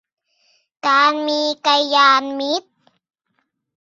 การมีกัลยาณมิตร